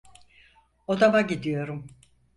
Odama gidiyorum.